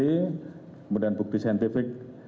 kemudian bukti saintifik